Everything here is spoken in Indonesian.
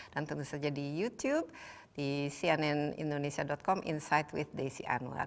dan tentu saja di youtube di cnnindonesia com insight with desi anwar